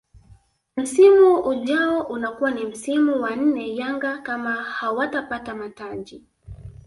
Msimu ujao unakuwa ni msimu wa nne Yanga kama hawatapata mataji